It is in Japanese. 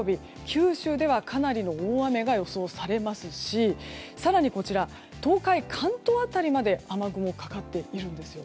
九州ではかなりの大雨が予想されますし更に、東海・関東辺りまで雨雲、かかっているんですよ。